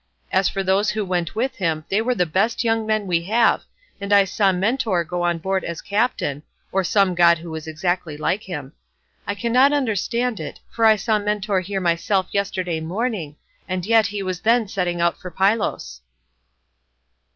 As for those who went with him they were the best young men we have, and I saw Mentor go on board as captain—or some god who was exactly like him. I cannot understand it, for I saw Mentor here myself yesterday morning, and yet he was then setting out for Pylos."